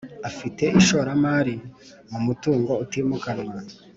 Afite ishoramari mu mutungo utimukanwa